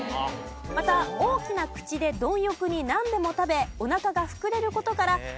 また大きな口で貪欲になんでも食べおなかが膨れる事から腹いっぱい食べるという意味の